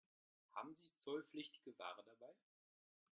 Haben Sie zollpflichtige Ware dabei?